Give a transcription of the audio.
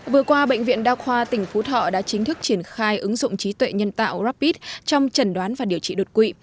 vừa qua bệnh viện đa khoa tỉnh phú thọ đã chính thức triển khai ứng dụng trí tuệ nhân tạo rapid trong trần đoán và điều trị đột quỵ